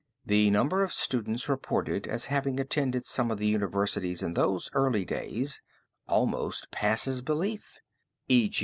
] "The number of students reported as having attended some of the universities in those early days almost passes belief; _e.